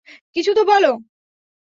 কিছু তো বল?